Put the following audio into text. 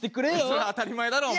そりゃ当たり前だろお前。